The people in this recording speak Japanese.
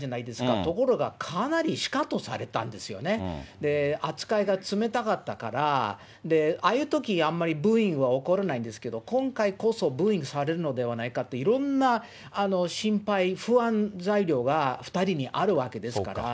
ところがかなりシカトされたんですよね、扱いが冷たかったから、ああいうとき、あんまりブーイングは起こらないんですけど、今回こそブーイングがされるのではないかと、いろんな心配、不安材料が２人にあるわけですから。